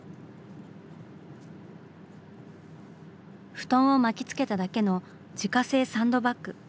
布団を巻きつけただけの自家製サンドバッグ。